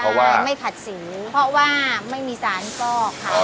เพราะว่าไม่มีสารซอก